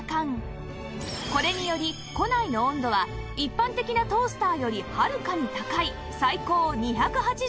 これにより庫内の温度は一般的なトースターよりはるかに高い最高２８０度に！